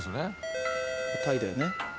タイだよね。